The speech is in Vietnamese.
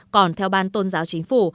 còn theo ban tôn giáo chính phủ